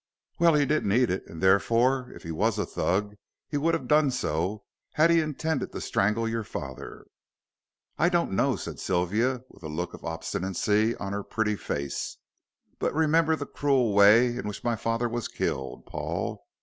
"Well, he didn't eat it, and therefore, if he was a Thug, he would have done so, had he intended to strangle your father." "I don't know," said Sylvia, with a look of obstinacy on her pretty face. "But remember the cruel way in which my father was killed, Paul.